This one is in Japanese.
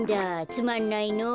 つまんないの。